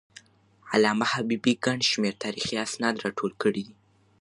علامه حبيبي ګڼ شمېر تاریخي اسناد راټول کړي دي.